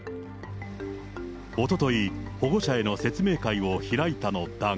おととい、保護者への説明会を開いたのだが。